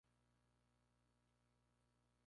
Actualmente escribe una columna en el "Financial Times".